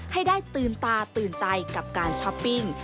ให้ได้ตื่นตาตื่นใจกับการช้อปปิ้ง